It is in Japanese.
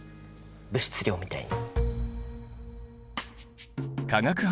物質量みたいに。